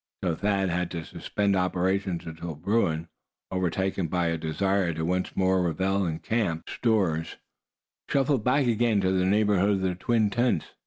So Thad had to suspend operations until Bruin, overtaken by a desire to once more revel in the camp stores, shuffled back again to the neighborhood of the twin tents.